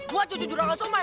gue cucu jurang langsung mah